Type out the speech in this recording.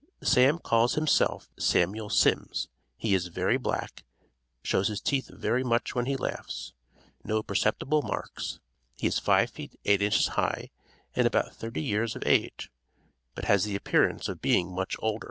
Sam calls himself Samuel Sims; he is very black; shows his teeth very much when he laughs; no perceptible marks; he is 5 feet 8 inches high, and about thirty years of age, but has the appearance of being much older.